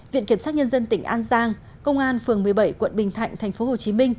viện kiểm sát nhân dân tỉnh an giang công an phường một mươi bảy quận bình thạnh tp hcm